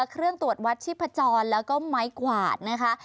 เครื่องตรวจวัดชีพจรแล้วก็ไม้กวาดนะคะ